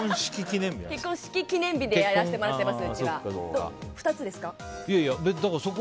結婚式記念日でうちはやらせてもらってます。